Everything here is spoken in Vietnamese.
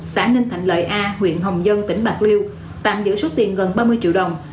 xã ninh thạnh lợi a huyện hồng dân tỉnh bạc liêu tạm giữ số tiền gần ba mươi triệu đồng